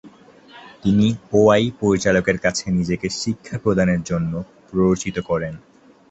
তিনি ওয়াই পরিচালকের কাছে নিজেকে শিক্ষা প্রদানের জন্য প্ররোচিত করেন।